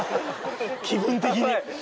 気分的に。